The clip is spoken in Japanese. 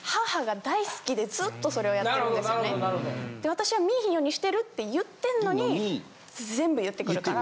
私は見ぃひんようにしてるって言ってんのに全部言ってくるから。